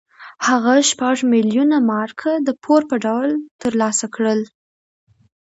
هغه شپږ میلیونه مارکه د پور په ډول ترلاسه کړل.